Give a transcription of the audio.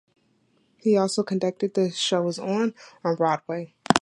He also conducted "The Show Is On" on Broadway.